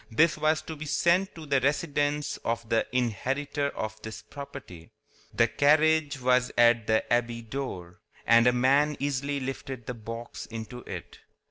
This was to be sent to the residence of the inheritor of this property. The carriage was at the abbey door, and a man easily lifted the box into it.